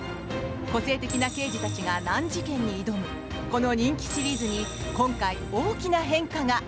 個性的な刑事たちが難事件に挑むこの人気シリーズに今回、大きな変化が。